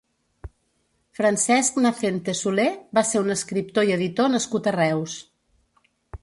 Francesc Nacente Soler va ser un escriptor i editor nascut a Reus.